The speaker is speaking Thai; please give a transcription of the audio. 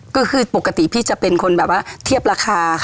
ก็คือปกติพี่จะเป็นคนแบบว่าเทียบราคาค่ะ